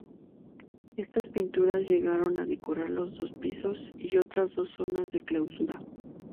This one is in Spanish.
Estas pinturas llegaron a decorar los dos pisos y otras zonas de clausura.